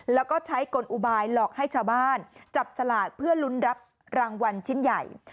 แล้วก็ใช้กลอุบายหลอกให้ชาวบ้านจับสลากเพื่อลุ้นรับรางวัลชิ้นใหญ่